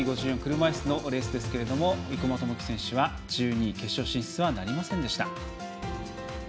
車いすのレースですが生馬知季選手は１２位決勝進出はなりませんでした。